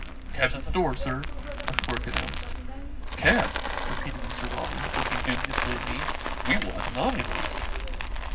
"Cab's at the door, sir," a clerk announced. "Cab," repeated Mr. Lawley, looking dubiously at me; "we want an omnibus."